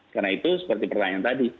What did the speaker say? karena itu seperti pertanyaan tadi